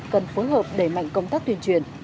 cần phối hợp đẩy mạnh công tác tuyên truyền